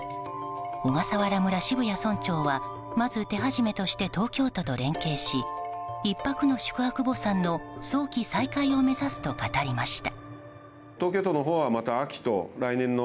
小笠原村、渋谷村長はまず手始めとして東京都と連携し１泊の宿泊墓参の早期再開を目指すと語りました。